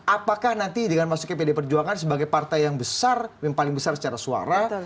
apakah nanti dengan masuknya pd perjuangan sebagai partai yang besar yang paling besar secara suara